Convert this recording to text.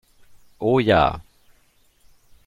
Oh ja!